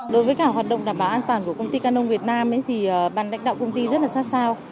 đối với cả hoạt động đảm bảo an toàn của công ty canon việt nam thì bàn đánh đạo công ty rất là sát sao